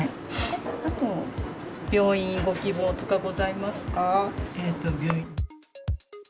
あと病院、ご希望とかござい病院。